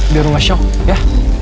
biar gak shock ya